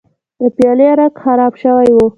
د پیالې رنګ خراب شوی و.